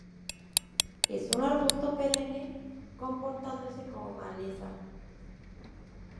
Es un arbusto perenne, comportándose como maleza.